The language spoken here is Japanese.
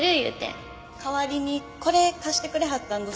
代わりにこれ貸してくれはったんどす。